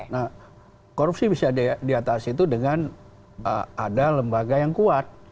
nah korupsi bisa diatasi itu dengan ada lembaga yang kuat